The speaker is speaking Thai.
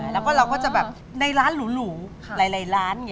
เราก็จะแบบในร้านหรูหลายร้าน